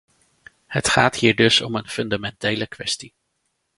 Het gaat hier dus om een fundamentele kwestie.